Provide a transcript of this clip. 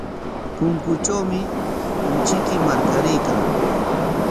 Punkutrawmi punchuyki warkaraykan.